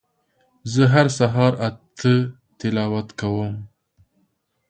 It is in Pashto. زه هر سهار اته تلاوت کوم